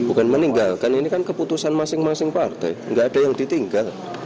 bukan meninggalkan ini kan keputusan masing masing partai nggak ada yang ditinggal